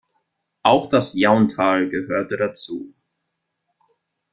Auch das Jauntal gehörte dazu.